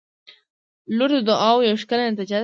• لور د دعاوو یوه ښکلي نتیجه ده.